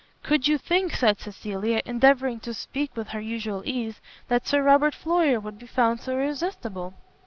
"Could you think," said Cecilia, endeavouring to speak with her usual ease, "that Sir Robert Floyer would be found so irresistible?"